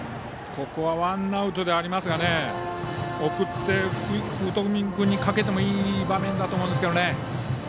ここはワンアウトではありますが送って福冨君にかけてもいい場面だと思いますけどね。